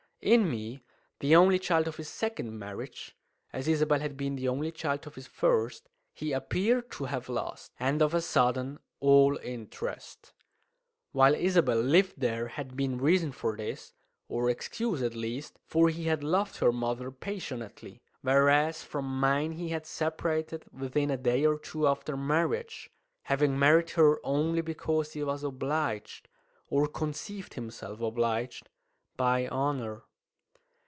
In me the only child of his second marriage, as Isabel had been the only child of his first he appeared to have lost, and of a sudden, all interest. While Isabel lived there had been reason for this, or excuse at least, for he had loved her mother passionately, whereas from mine he had separated within a day or two after marriage, having married her only because he was obliged or conceived himself obliged by honour.